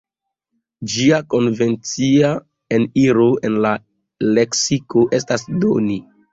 Ĝia konvencia eniro en la leksiko estas "doni".